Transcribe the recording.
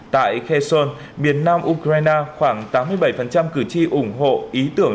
tại khason miền nam ukraine khoảng tám mươi bảy cử tri ủng hộ ý tưởng